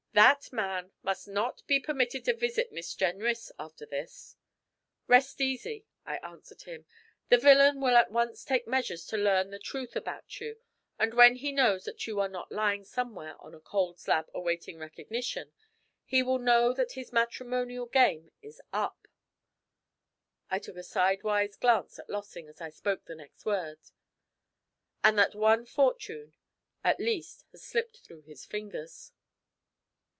That man must not be permitted to visit Miss Jenrys after this!' 'Rest easy,' I answered him. 'The villain will at once take measures to learn the truth about you, and when he knows that you are not lying somewhere on a cold slab awaiting recognition, he will know that his matrimonial game is up,' I took a sidewise glance at Lossing as I spoke the next words, 'and that one fortune at least has slipped through his fingers.'